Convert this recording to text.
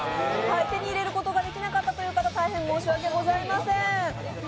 手に入れることができなかったという方、大変申し訳ございません。